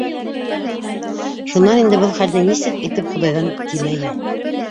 Шунан инде был хәлде нисек итеп хоҙайҙан тимәйһең?